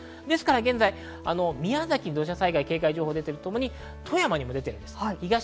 現在、宮崎に土砂災害警戒情報が出てるとともに富山にも出ています。